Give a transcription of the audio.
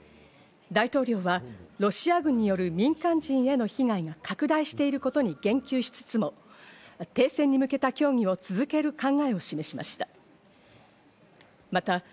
大統領はロシア軍による民間人への被害が拡大していることに言及しつつも、停戦に向けた協議を続ける考えを示しました。